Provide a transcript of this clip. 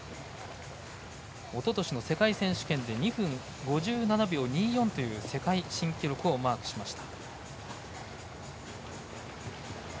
おととしの世界選手権で２分５７秒２４という世界新記録をマークしました。